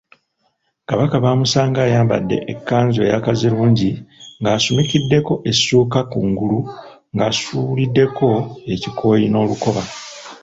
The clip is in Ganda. Kakaba baamusanga ayambadde ekkanzu eya Kaazirungi ng’asumikiddeko essuuka kungulu ng’asuuliddeko ekikooyi n’olukoba.